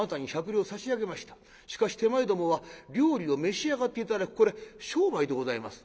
しかし手前どもは料理を召し上がって頂くこれ商売でございます。